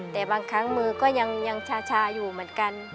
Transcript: แต่บางครั้งมือก็ยังชาอยู่เหมือนกัน